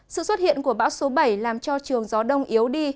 sự xuất hiện của bão số bảy làm cho trường gió đông yếu đi